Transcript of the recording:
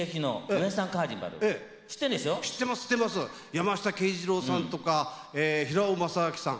山下敬二郎さんとか平尾昌晃さん